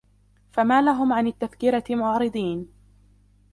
فَمَا لَهُمْ عَنِ التَّذْكِرَةِ مُعْرِضِينَ